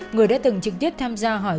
người đã từng trực tiếp tham gia hỏi